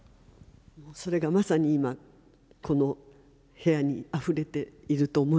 それがまさに今この部屋にあふれていると思います。